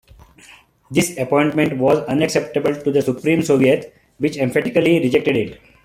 This appointment was unacceptable to the Supreme Soviet, which emphatically rejected it.